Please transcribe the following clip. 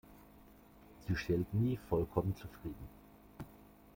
Sie stellt nie vollkommen zufrieden.